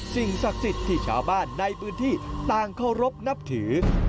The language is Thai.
สิ่งศักดิ์สิทธิ์ที่ชาวบ้านในพื้นที่ต่างเคารพนับถือ